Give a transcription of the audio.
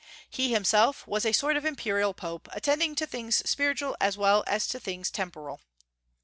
He himself was a sort of imperial Pope, attending to things spiritual as well as to things temporal.